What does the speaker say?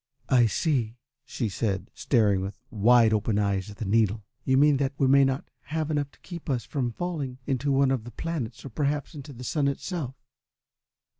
"I see," she said, staring with wide open eyes at the needle. "You mean that we may not have enough to keep us from falling into one of the planets or perhaps into the Sun itself.